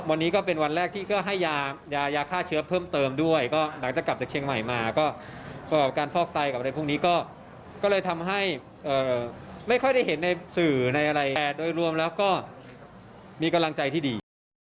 วันนี้ก็เป็นวันแรกที่ก็ให้ยายาฆ่าเชื้อเพิ่มเติมด้วยก็หลังจากกลับจากเชียงใหม่มาก็การฟอกไตกับอะไรพวกนี้ก็เลยทำให้ไม่ค่อยได้เห็นในสื่อในอะไรแต่โดยรวมแล้วก็มีกำลังใจที่ดี